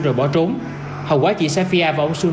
rồi bỏ trốn hầu quá chị safia và ông xuân